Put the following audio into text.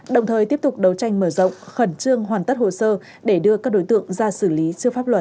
đồng thời tiếp tục đấu tranh mở rộng khẩn trương hoàn tất hồ sơ để đưa các đối tượng ra xử lý trước pháp luật